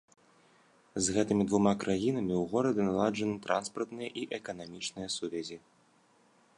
З гэтымі двума краінамі ў горада наладжаны транспартныя і эканамічныя сувязі.